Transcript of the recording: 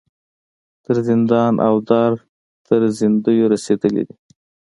تر زندان او دار تر زندیو رسېدلي دي.